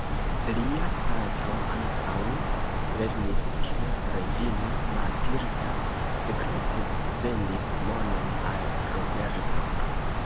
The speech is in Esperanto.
Lia patro ankaŭ lernis ke Reĝino Matilda sekrete sendis monon al Roberto.